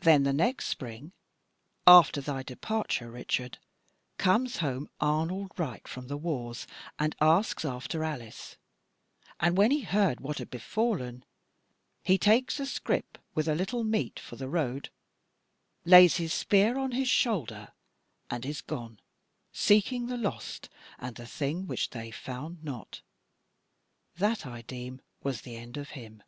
Then the next spring after thy departure, Richard, comes home Arnold Wright from the wars, and asks after Alice; and when he heard what had befallen, he takes a scrip with a little meat for the road, lays his spear on his shoulder, and is gone seeking the lost, and the thing which they found not that, I deem, was the end of him.